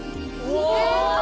うわ！